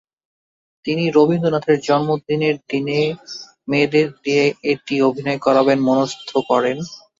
তিনি রবীন্দ্রনাথের জন্মদিনে মেয়েদের দিয়ে সেটি অভিনয় করাবেন মনস্থ করেন।